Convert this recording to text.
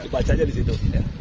baca aja disitu